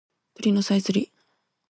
鳥のさえずり